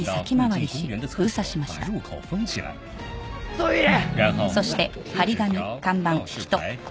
トイレ！